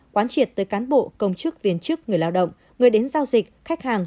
quán triệt tới cán bộ công chức viên chức người lao động người đến giao dịch khách hàng